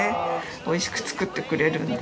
美味しく作ってくれるんで。